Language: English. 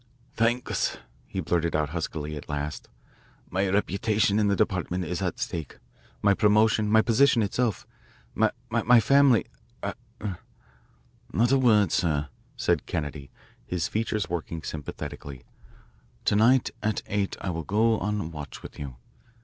"Thanks," he blurted out huskily at last. "My reputation in the department is at stake, my promotion, my position itself, my my family er er " "Not a word, sir," said Kennedy, his features working sympathetically. "To night at eight I will go on watch with you.